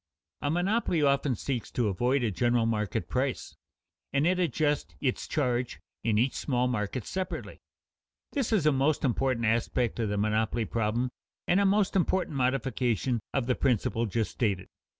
A monopoly often seeks to avoid a general market price, and it adjusts its charge in each small market separately. This is a most important aspect of the monopoly problem and a most important modification of the principle just stated.